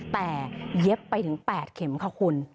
แต่เย็บไปถึง๘เข็มค่ะคุณ